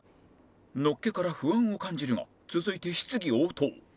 のっけから不安を感じるが続いて質疑応答